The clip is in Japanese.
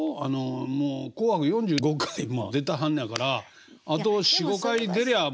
もう「紅白」４５回も出てはんねやからあと４５回出りゃあ